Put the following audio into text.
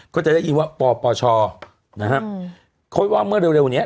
ก็จะได้ยินว่าปปชนะฮะเขาว่าเมื่อเร็วเนี้ย